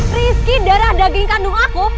rizky darah daging kandung aku